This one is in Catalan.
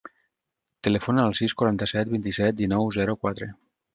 Telefona al sis, quaranta-set, vint-i-set, dinou, zero, quatre.